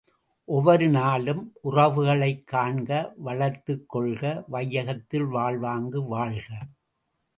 ஒவ்வொரு நாளும் உறவுகளைக் காண்க வளர்த்துக் கொள்க வையகத்தில் வாழ்வாங்கு வாழ்க!